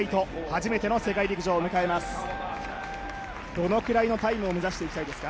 初めての世界陸上を目指します。